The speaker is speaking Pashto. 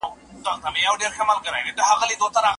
د مطالعاتو میتودونه د موضوع د اړتیا په اساس ټاکل کیږي.